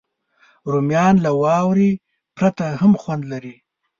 رومیان له واورې پرته هم خوند لري